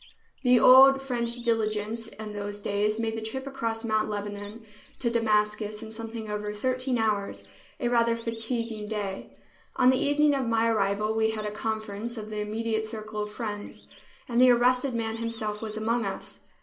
The old French diligence in those days made the trip across Mount Lebanon to Damascus in something over thirteen hours, a rather fatiguing day. On the evening of my arrival we had a conference of the immediate circle of friends, and the arrested man himself was among us.